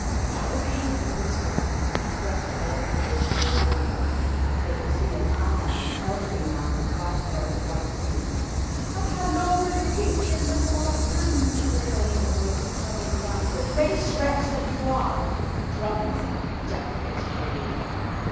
"Follow me!" he whispered and crept on all fours nearer the window. They could see a man now, an elderly man with white hair and a white beard. "And how long will you keep me in this vile prison?" she was saying in a voice that trembled with anger, "base wretch that you are!" "Crumbs!" ejaculated William.